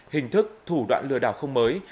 hình thức thủ đoạn lừa đảo không mới